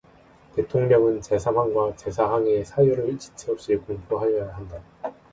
대통령은 제삼항과 제사항의 사유를 지체없이 공포하여야 한다.